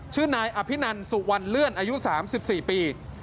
ชื่อนายอภินันสุวรรณเลื่อนอายุสามสิบสี่ปี